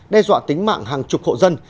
đe dọa tính mạng hàng chục hộ dân